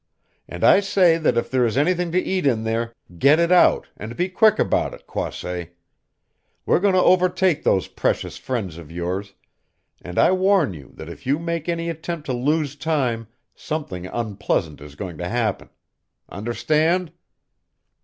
"And I say that if there is anything to eat in there, get it out, and be quick about it, Croisset. We're going to overtake those precious friends of yours, and I warn you that if you make any attempt to lose time something unpleasant is going to happen. Understand?"